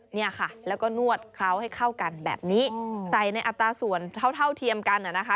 เนี่ยค่ะแล้วก็นวดเคล้าให้เข้ากันแบบนี้ใส่ในอัตราส่วนเท่าเทียมกันนะคะ